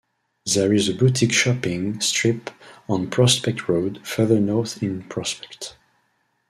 There is a boutique shopping strip on Prospect Road, further north in Prospect.